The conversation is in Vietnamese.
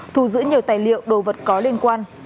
thu giữ nhiều tài liệu đồ vật có liên quan